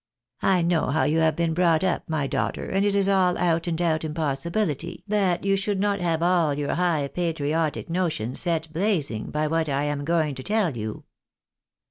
I know how you have been brought up, my daughter, and it is an out and out impossibility that you should not have all your high patriotic notions set blazing by what I am going to tell you."